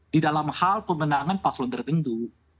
di dalam hal pemenangan pas lo berbentuk